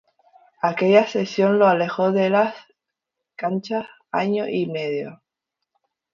Aquella lesión lo alejó de las canchas año y medio.